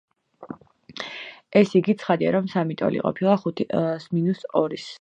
ესე იგი, ცხადია, რომ სამი ტოლი ყოფილა — ხუთს მინუს ორის.